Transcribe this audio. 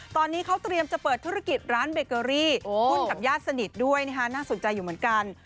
ตอนนี้เขาเตรียมจะเปิดธุรกิจร้านเบเกอรี่หุ้นกับญาติสนิทด้วยนะฮะน่าสนใจอยู่เหมือนกัน